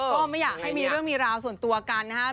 ก็ไม่อยากให้มีเรื่องมีราวส่วนตัวกันนะครับ